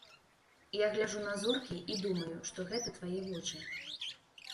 Я гляджу на зоркі і думаю, што гэта твае вочы.